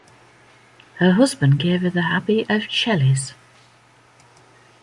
Her husband gave her the Abbey of Chelles.